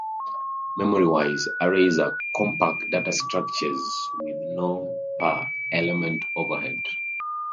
Memory-wise, arrays are compact data structures with no per-element overhead.